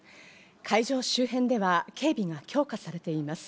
会場周辺では警備が強化されています。